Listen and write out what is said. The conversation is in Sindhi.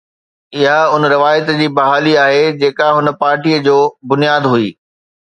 اُها اُن روايت جي بحالي آهي، جيڪا هن پارٽيءَ جو بنياد هئي.